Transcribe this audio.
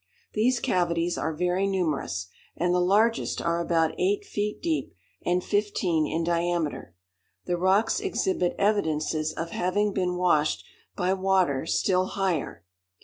These cavities are very numerous, and the largest are about eight feet deep, and fifteen in diameter. The rocks exhibit evidences of having been washed by water still higher.